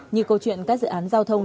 như câu chuyện các dự án giao thông